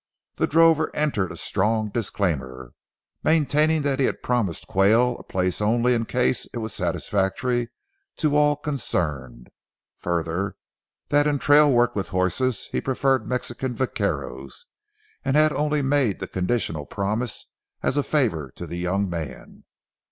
The drover entered a strong disclaimer, maintaining that he had promised Quayle a place only in case it was satisfactory to all concerned; further, that in trail work with horses he preferred Mexican vaqueros, and had only made the conditional promise as a favor to the young man.